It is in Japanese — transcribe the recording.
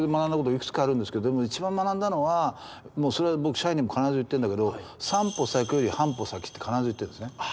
いくつかあるんですけど一番学んだのはそれ僕社員にも必ず言ってるんだけど「３歩先より半歩先」って必ず言ってるんですね。